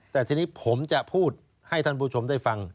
แต่ทีนี้ผมจะพูดให้ท่านผู้ชมได้ฟัง